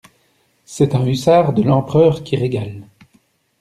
C'est un hussard de l'Empereur qui régale!